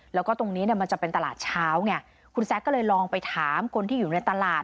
แล้วก็ตรงนี้เนี่ยมันจะเป็นตลาดเช้าไงคุณแซคก็เลยลองไปถามคนที่อยู่ในตลาด